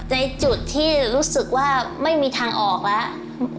ในจุดที่รู้สึกว่าไม่มีทางออกแล้ว